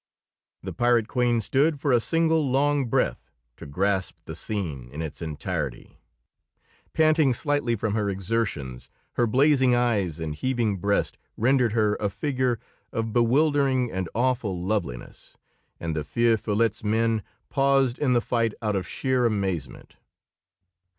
The pirate queen stood for a single long breath to grasp the scene in its entirety. Panting slightly from her exertions, her blazing eyes and heaving breast rendered her a figure of bewildering and awful loveliness; and the Feu Follette's men paused in the fight out of sheer amazement.